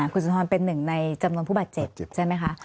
คุณสุนทรเป็นหนึ่งในจำนวนผู้บาดเจ็บใช่ไหมคะ